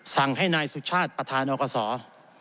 สั่งให้นายสุชาติประธานอกศ